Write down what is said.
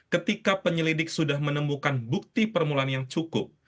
ketika penyelidik sudah menemukan bukti permulaan yang cukup